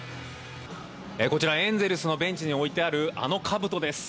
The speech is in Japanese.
こちら、エンゼルスのベンチに置いてあるあのかぶとです。